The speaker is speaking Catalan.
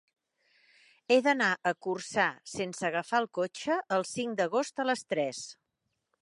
He d'anar a Corçà sense agafar el cotxe el cinc d'agost a les tres.